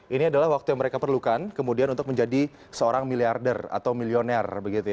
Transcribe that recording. ini adalah waktu yang mereka perlukan kemudian untuk menjadi seorang miliarder atau milioner